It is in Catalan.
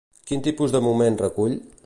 Quin tipus de moments recull?